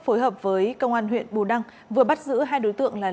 phối hợp với công an huyện bù đăng vừa bắt giữ hai đối tượng là